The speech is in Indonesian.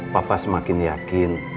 papa semakin yakin